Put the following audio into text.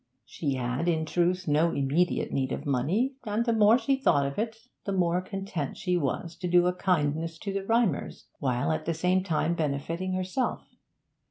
She had, in truth, no immediate need of money, and the more she thought of it, the more content she was to do a kindness to the Rymers, while at the same time benefiting herself.